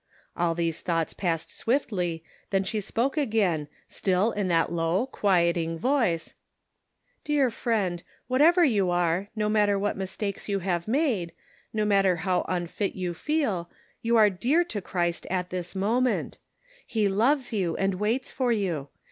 All these thoughts passed swiftly, then she spoke again, still in that low, quieting voice :" Dear friend, whatever you are, no matter what mistakes you may have made, no matter how unfit you feel, you are dear to Christ at this moment: he loves you and waits for you.